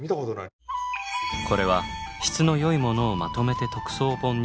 これは質のよいものをまとめて特装本にし